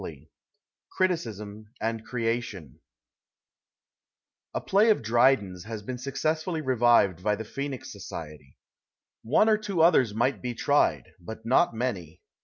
88 CRITICISM AND CREATION A PLAY of Drj'dc'irs has been successfully rcvi\cd by the Phoenix Society. One or two others might be tried, but not many.